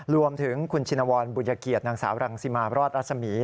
รวมถึงคุณชินวรบุญเกียรตินางสาวรังสิมารอดรัศมี